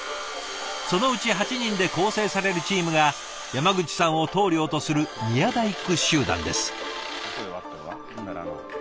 そのうち８人で構成されるチームが山口さんを棟梁とする宮大工集団です。